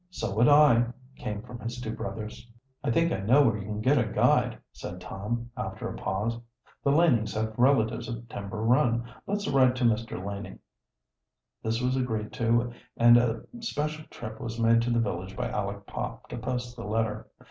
"So would I," came from his two brothers. "I think I know where you can get a guide," said Tom, after a pause. "The Lanings have relatives at Timber Run. Let's write to Mr. Laning." This was agreed to, and a special trip was made to the village by Aleck Pop to post the letter.